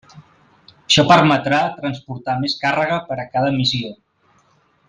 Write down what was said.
Això permetrà transportar més càrrega per a cada missió.